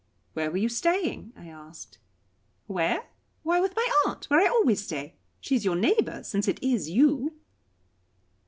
"Where were you staying?" I asked. "Where? Why, with my aunt, where I always stay. She is your neighbour, since it is you."